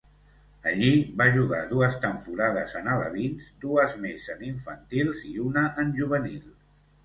Allí va jugar dues temporades en alevins, dues més en infantils, i una en juvenil.